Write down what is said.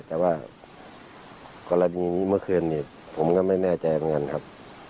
แต่ว่ากรณีเมื่อคืนผมก็ไม่แน่ใจอย่างนั้น